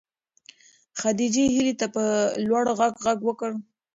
خدیجې هیلې ته په لوړ غږ غږ وکړ.